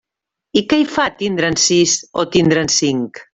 I què hi fa tindre'n sis o tindre'n cinc?